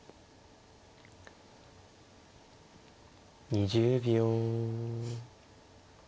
２０秒。